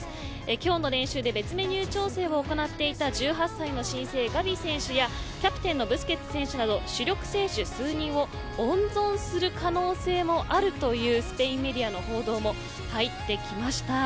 今日の練習で別メニュー調整を行っていた１８歳の新星ガヴィ選手やキャプテンのブスケツ選手など主力選手数人を温存する可能性があるというスペインメディアの報道も入ってきました。